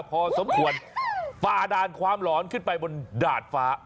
พอสมควรฝ่าด่านความหลอนขึ้นไปบนดาดฟ้า